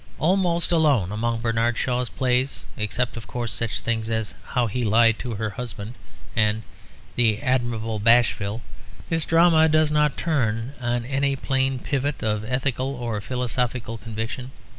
Almost alone among Bernard Shaw's plays (except of course such things as How he Lied to her Husband and The Admirable Bashville) this drama does not turn on any very plain pivot of ethical or philosophical conviction.